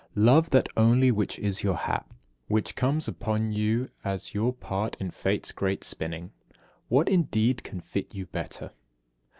57. Love that only which is your hap, which comes upon you as your part in Fate's great spinning. What, indeed, can fit you better?